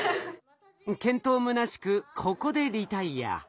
健闘むなしくここでリタイア。